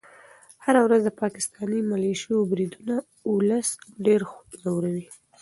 هره ورځ د پاکستاني ملیشو بریدونه ولس ډېر ځوروي.